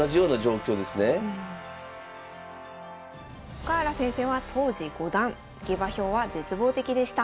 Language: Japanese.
深浦先生は当時五段下馬評は絶望的でした。